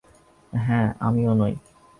হ্যাঁ, আমিও নই।